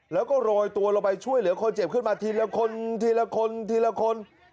แล้วก็โรยตัวลงไปช่วยเหลือคนเจ็บขึ้นมาทีละคน